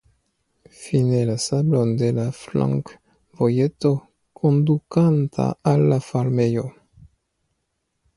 Fine la sablon de la flankvojeto kondukanta al la farmejo.